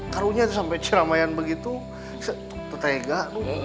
kamu jangan lagi gitu ya